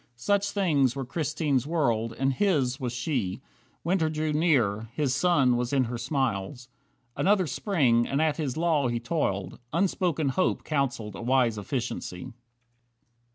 Such things were Christine's world, and his was she Winter drew near, his sun was in her smiles. Another Spring, and at his law he toiled, Unspoken hope counselled a wise efficiency.